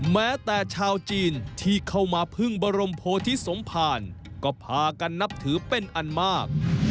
แม้แต่ชาวจีนที่เข้ามาพึ่งบรมโพธิสมภารก็พากันนับถือเป็นอันมาก